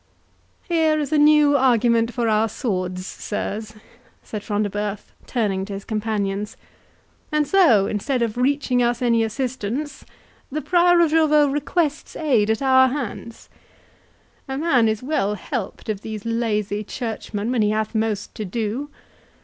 '" "Here is a new argument for our swords, sirs," said Front de Bœuf, turning to his companions; "and so, instead of reaching us any assistance, the Prior of Jorvaulx requests aid at our hands? a man is well helped of these lazy churchmen when he hath most to do!